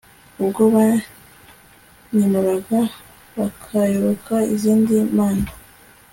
ubwo banyimuraga bakayoboka izindi mana